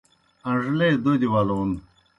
اݩڙلے دوْدیْ ولون